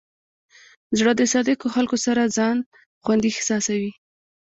زړه د صادقو خلکو سره ځان خوندي احساسوي.